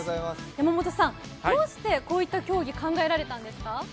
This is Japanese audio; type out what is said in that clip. どうしてこういった競技考えられたんですか？